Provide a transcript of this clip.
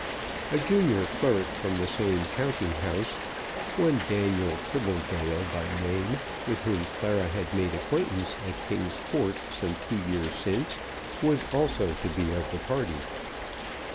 A junior clerk from the same counting house, one Daniel Tribbledale by name, with whom Clara had made acquaintance at King's Court some two years since, was also to be of the party.